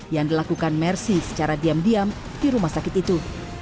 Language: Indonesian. yang dilakukan mersi secara diam diam di rumah sakit itu